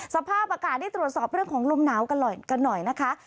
สภาพอากาศได้ตรวจสอบเรื่องของลมหนาวกันหน่อยกันหน่อยนะคะ